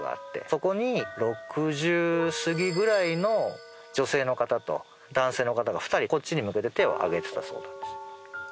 そこに６０すぎぐらいの女性の方と男性の方が２人こっちに向けて手を上げてたそうなんですよ。